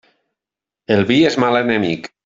El vi és mal enemic.